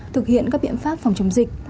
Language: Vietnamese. thực hiện các biện pháp phòng